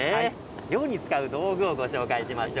漁に使う道具をご紹介しましょう。